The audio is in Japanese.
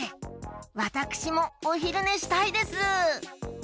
わたくしもおひるねしたいです。